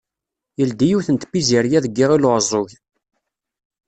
Yeldi yiwet n tpizzirya deg Iɣil-Uɛeẓẓug.